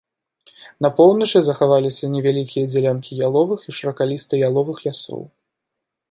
На поўначы захаваліся невялікія дзялянкі яловых і шыракаліста-яловых лясоў.